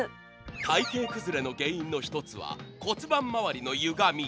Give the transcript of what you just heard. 体形崩れの原因の一つは骨盤のゆがみ。